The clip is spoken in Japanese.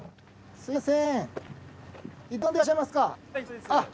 すみません